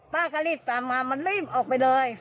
ป้าก็รีบตามมามันรีบออกไปเลย